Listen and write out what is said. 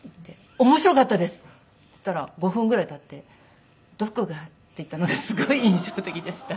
「面白かったです」って言ったら５分ぐらい経って「どこが？」って言ったのがすごい印象的でした。